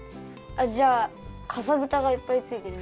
あじゃあかさぶたがいっぱいついてる。